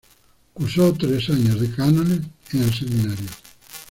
Curso tres años de cánones en el Seminario.